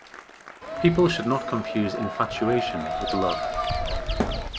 People should not confuse infatuation with love.